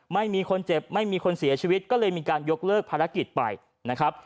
ไม่มีคนเจ็บไม่มีคนเสียชีวิตก็เลยมีการยกเลิกภารกิจไปนะครับ